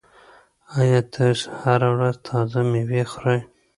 آیا تاسو هره ورځ تازه مېوه خورئ؟